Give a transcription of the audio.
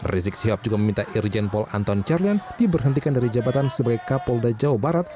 rizik sihab juga meminta irjen paul anton carlyan diberhentikan dari jabatan sebagai kapolda jawa barat